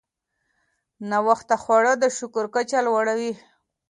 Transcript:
ناوخته خواړه د شکر کچه لوړوي.